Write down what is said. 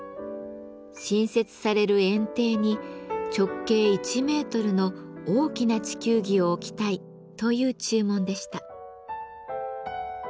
新設される園庭に直径１メートルの大きな地球儀を置きたいという注文でした。